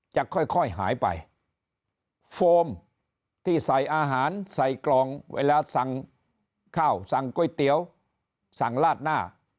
จะค่อยหายไปโฟมที่ใส่อาหารใส่กล่องเวลาสั่งข้าวสั่งก๋วยเตี๋ยวสั่งลาดหน้า